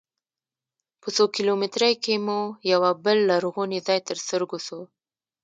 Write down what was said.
په څو کیلومترۍ کې مو یوه بل لرغونی ځاې تر سترګو سو.